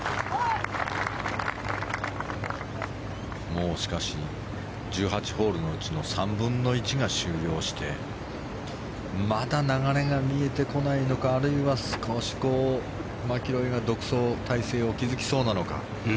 もうしかし、１８ホールのうちの３分の１が終了してまだ流れが見えてこないのかあるいは少しマキロイが独走態勢を築きそうなのか。